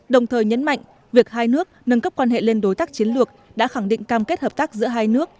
đồng thời nhấn mạnh việc hai nước nâng cấp quan hệ lên đối tác chiến lược đã khẳng định cam kết hợp tác giữa hai nước